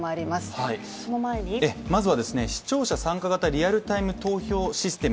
視聴者参加型リアルタイムシステム